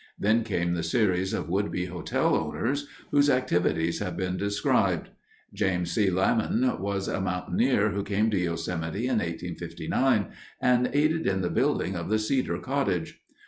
Then came the series of would be hotel owners, whose activities have been described. James C. Lamon was a mountaineer who came to Yosemite in 1859 and aided in the building of the Cedar Cottage.